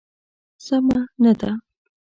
سمه نه ده.